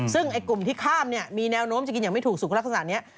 ซึ่งไอ้กลุ่มที่ข้ามมีแนวโน้มจะกินอย่างไม่ถูกสุขลักษณะนี้